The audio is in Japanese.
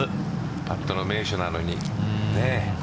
パットの名手なのに。